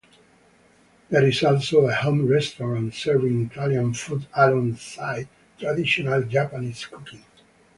There is also a home-restaurant serving Italian food alongside traditional Japanese cooking.